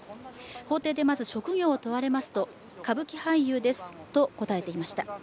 法廷でまず職業を問われますと歌舞伎俳優ですと答えていました。